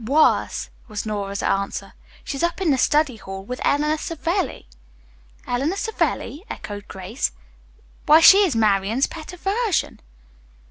"Worse," was Nora's answer. "She's up in the study hall with Eleanor Savelli." "Eleanor Savelli?" echoed Grace. "Why she is Marian's pet aversion."